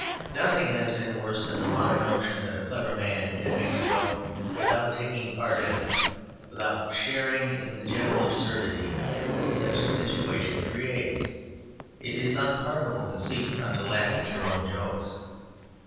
Nothing has been worse than the modern notion that a clever man can make a joke without taking part in it; without sharing in the general absurdity that such a situation creates. It is unpardonable conceit not to laugh at your own jokes.